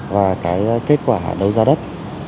và kết quả đầu giá đất